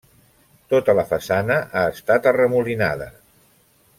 Tota la façana ha estat arremolinada.